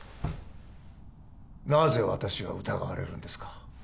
なぜ私が疑われるんですか？